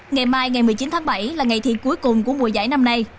ngày mai ngày một mươi chín tháng bảy là ngày thi cuối cùng của mùa giải năm nay